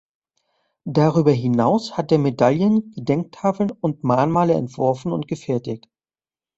Darüber hinaus hat er Medaillen, Gedenktafeln und Mahnmale entworfen und gefertigt.